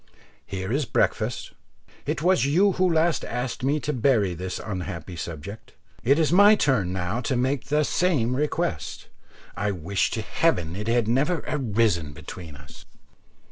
Here is breakfast. It was you who last asked me to bury this unhappy subject, it is my turn now to make the same request. I wish to heaven it had never arisen between us."